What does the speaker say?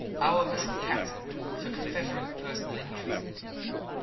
"Our Mr. Cattell" took a fervent personal interest in it.